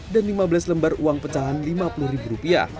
dan lima belas lembar uang pecahan rp lima puluh